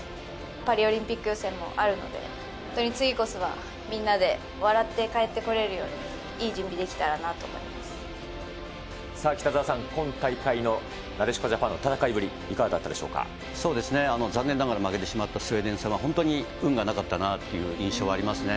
パリオリンピック予選もあるので、次こそはみんなで笑って帰ってこれるように、いい準備をできたらさあ、北澤さん、今大会のなでしこジャパンの戦いぶり、そうですね、残念ながら負けてしまったスウェーデン戦は本当に運がなかったなという印象はありますね。